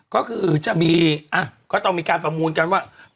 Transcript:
ก็คือจะมีก็ต้องมีการประมูลกันว่า